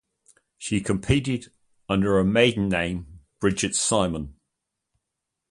She competed under her maiden name Brigitte Simon.